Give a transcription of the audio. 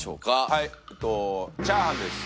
はいえっとチャーハンです。